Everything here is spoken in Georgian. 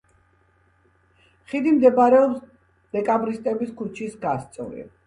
ხიდი მდებარეობს დეკაბრისტების ქუჩის გასწვრივ.